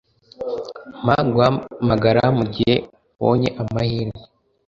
Mpa guhamagara mugihe ubonye amahirwe